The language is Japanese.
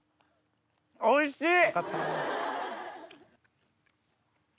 おいしい！